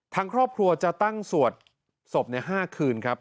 ทางครอบครัวจะตั้งสวดศพ๕คืนครับ